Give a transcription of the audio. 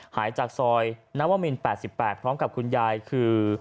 หายจากซอยนวมิน๘๘พร้อมกับคุณยายคือ